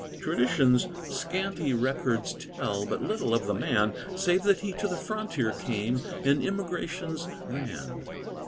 Tradition's scanty records tell But little of the man, Save that he to the frontier came In immigration's van.